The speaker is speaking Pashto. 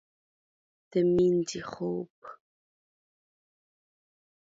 د مینځې خوب